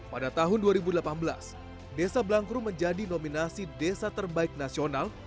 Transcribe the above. pada tahun dua ribu delapan belas desa blangkrum menjadi nominasi desa terbaik nasional